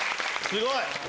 すごい！